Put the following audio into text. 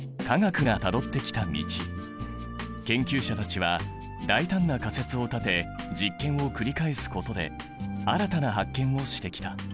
研究者たちは大胆な仮説を立て実験を繰り返すことで新たな発見をしてきた。